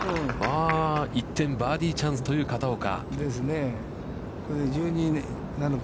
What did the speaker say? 一転バーディーチャンスという片岡。